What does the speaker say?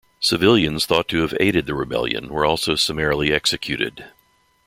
Civilians thought to have aided the rebellion were also summarily executed.